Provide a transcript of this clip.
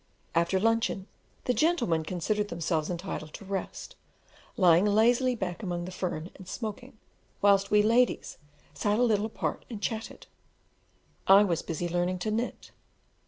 After luncheon, the gentlemen considered themselves entitled to rest, lying lazily back among the fern and smoking, whilst we ladies sat a little apart and chatted: I was busy learning to knit.